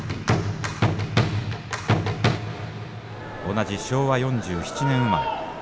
同じ昭和４７年生まれ。